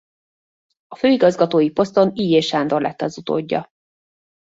A főigazgatói poszton Illyés Sándor lett az utódja.